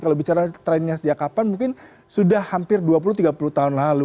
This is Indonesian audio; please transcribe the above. kalau bicara trennya sejak kapan mungkin sudah hampir dua puluh tiga puluh tahun lalu